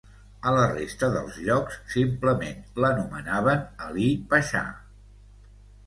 A la resta dels llocs simplement l'anomenaven "Ali Pasha".